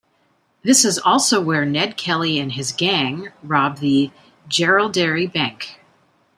This is also where Ned Kelly and his Gang robbed the 'Jerilderie Bank'.